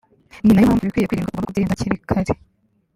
ni nayo mpamvu ibikwiye kwirindwa ugomba kubyirinda hakiri kare